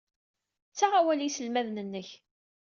Ttaɣ awal i yiselmaden-nnek.